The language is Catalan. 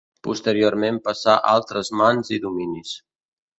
Posteriorment passà a altres mans i dominis.